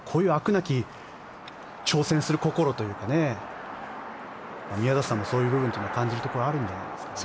なき挑戦する心というか宮里さんもそういう部分は感じるところがあるんじゃないですかね。